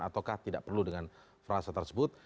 ataukah tidak perlu dengan frasa tersebut